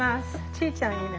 ちーちゃんいる。